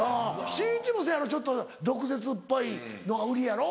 しんいちもそうやろちょっと毒舌っぽいのが売りやろ？